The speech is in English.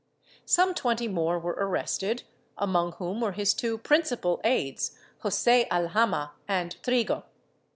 Some twenty more were arrested, among whom were his two principal aids Jose Alhama and Trigo.